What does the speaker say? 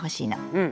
うん。